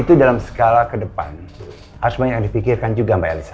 itu dalam skala ke depan harus banyak yang dipikirkan juga mbak elisa